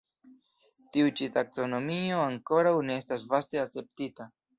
Tiu ĉi taksonomio ankoraŭ ne estas vaste akceptita.